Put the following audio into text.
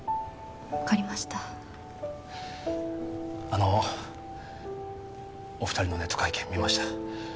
分かりましたあのお二人のネット会見見ました